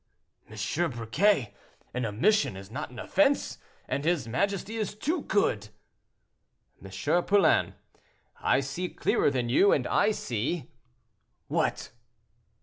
"M. Briquet, an omission is not an offense, and his majesty is too good—" "M. Poulain, I see clearer than you, and I see—" "What?"